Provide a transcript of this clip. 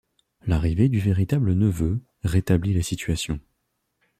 L'arrivée du véritable neveu, rétablit la situation.